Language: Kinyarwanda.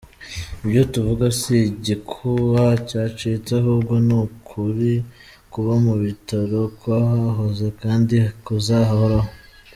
Ibyo tuvuga si igikuba cyacitse, ahubwo ni ukuri kuba mu bitaro, kwahahoze kandi kuzahoraho.